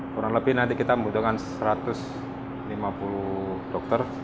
kurang lebih nanti kita membutuhkan satu ratus lima puluh dokter